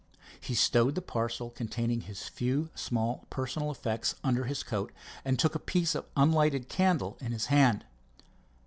He stowed the parcel containing his few small personal effects under his coat and took a piece of unlighted candle in his hand.